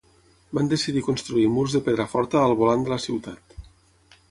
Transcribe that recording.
Van decidir construir murs de pedra forta al volant de la ciutat.